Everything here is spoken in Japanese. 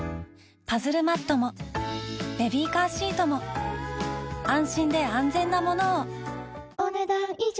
パズルマットもベビーカーシートも安心で安全なものをお、ねだん以上。